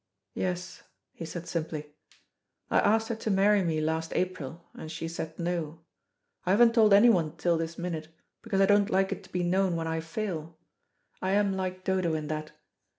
"Yes," he said simply. "I asked her to marry me last April, and she said 'No.' I haven't told anyone till this minute, because I don't like it to be known when I fail. I am like Dodo in that.